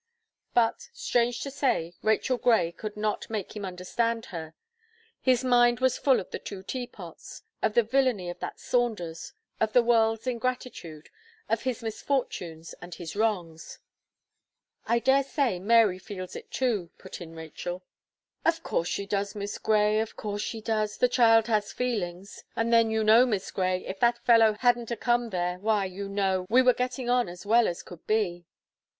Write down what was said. But, strange to say, Rachel Gray could not make him understand her; his mind was full of the two Teapots; of the villany of that Saunders; of the world's ingratitude; of his misfortunes and his wrongs. "I dare say Mary feels it too," put in Rachel. "Of course she does, Miss Gray of course she does. The child has feelings. And then you know, Miss Gray, if that fellow hadn't a come there, why, you know, we were getting on as well as could be."